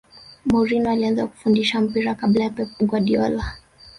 mourinho alianza kufundisha mpira kabla ya pep guardiola